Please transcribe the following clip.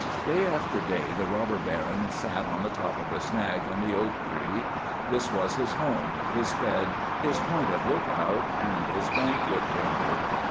Day after day the Robber Baron sat on the top of the snag in the oak tree. This was his home, his bed, his point of lookout, and his banquet chamber.